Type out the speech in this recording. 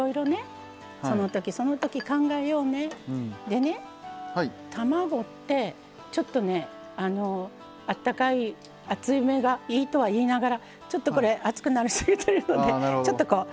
でね卵ってちょっとねあったかい熱めがいいとはいいながらちょっとこれ熱くなり過ぎてるのでちょっとこう。